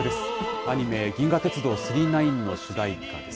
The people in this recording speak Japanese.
アニメ、銀河鉄道９９９の主題歌です。